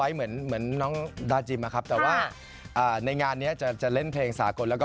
ไปเหมือนเวลาเราจะไปเที่ยวต้องโทรตรงร้านหนึ่ง